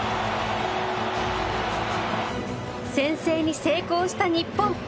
先制に成功した日本。